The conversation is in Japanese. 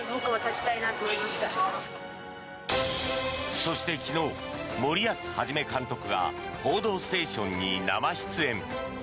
そして、昨日森保一監督が「報道ステーション」に生出演。